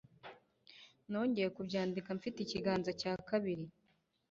nongeye kubyandika mfite ikiganza cya kabiri